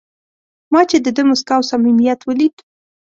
ما چې د ده موسکا او صمیمیت ولید.